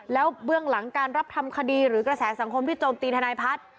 แล้วเบื้องหลังการรับทำคดีหรือกระแสสังคมที่โจมตีทนายพัฒน์